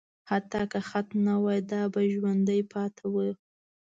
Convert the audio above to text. حتی که خط نه وای، دا به ژوندي پاتې وو.